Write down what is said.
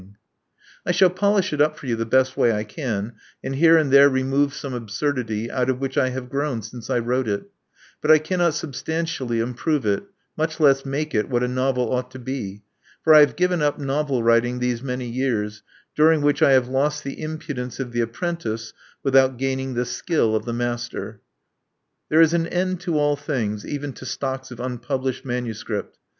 . Love Among the Artists vii I shall polish it tip for you the best way I can, and here and there rentove some absurdity out of which I have grown since I wrote it, but I cannot substan tially improve it, much less make it what a novel ought to be; for I have given up novel writing these many years, during which I have lost the impudence of the apprentice without gaining the skill of the master. There is an end to all things, even to stocks of unpublished manuscript.